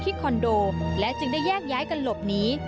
คอนโดและจึงได้แยกย้ายกันหลบหนี